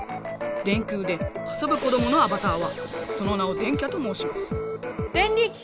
電空であそぶこどものアバターはその名を「電キャ」ともうしますデンリキ！